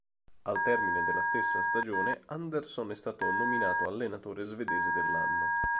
Al termine della stessa stagione, Andersson è stato nominato Allenatore svedese dell'anno.